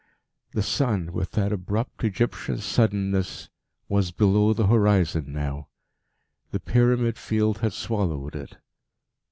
The sun, with that abrupt Egyptian suddenness, was below the horizon now. The pyramid field had swallowed it.